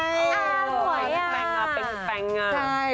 อ๋อหัวอย่างเป็งแฝงอะเป็งอะใช่